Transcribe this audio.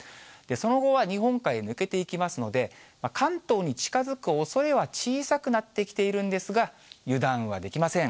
その後は日本海へ抜けていきますので、関東に近づくおそれは小さくなってきているんですが、油断はできません。